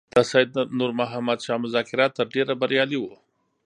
د سید نور محمد شاه مذاکرات تر ډېره بریالي وو.